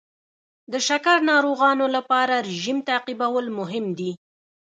د شکر ناروغانو لپاره رژیم تعقیبول مهم دي.